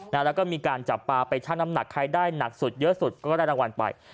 แล้วก็มีการจับปลาไปชั่งน้ำหนักใครได้หนักสุดเยอะสุดก็ได้รางวัลไป